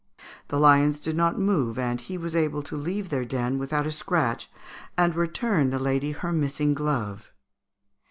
The lions did not move, and he was able to leave their den without a scratch and return the lady her missing glove.